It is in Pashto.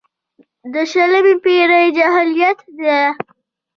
د شلمې پېړۍ جاهلیت ده.